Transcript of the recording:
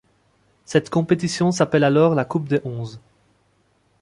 Cette compétition s'appelle alors la Coupe des Onze.